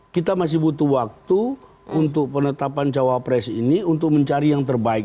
kita masih butuh waktu untuk penetapan cawapres ini untuk mencari yang terbaik